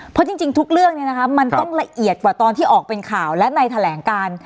เพราะจริงทุกเรื่องมันต้องละเอียดกว่าตอนที่ออกเป็นข่าวและในแถลงการ